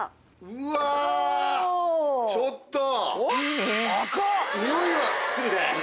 うわちょっと！